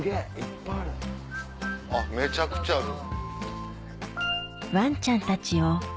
あっめちゃくちゃある。